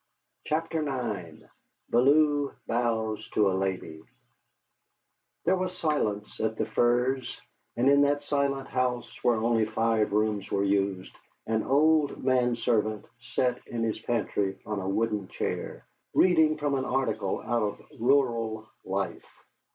CHAPTER IX BELLEW BOWS TO A LADY There was silence at the Firs, and in that silent house, where only five rooms were used, an old manservant sat in his pantry on a wooden chair, reading from an article out of Rural Life.